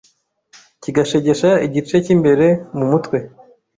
kigashegesha igice cy’imbere mu mutwe.